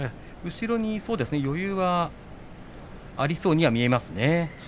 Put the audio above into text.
後ろに余裕がありそうには見えますね。